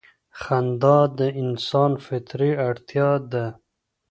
خندا د انسان فطري اړتیا ده.